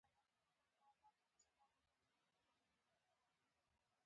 افغانستان د مورغاب سیند د ساتنې لپاره قوانین لري.